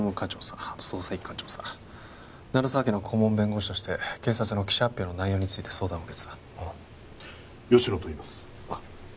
あと捜査一課長さん鳴沢家の顧問弁護士として警察の記者発表の内容について相談を受けてたああ吉乃といいます